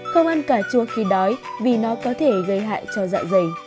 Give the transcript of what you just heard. không ăn cà chua khi đói vì nó có thể gây hại cho dạ dày